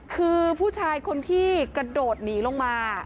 คือผู้ชายคนที่กระโดดหนีลงมา